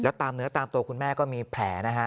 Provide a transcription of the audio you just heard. ว่าตามตัวคุณแม่ก็มีแผล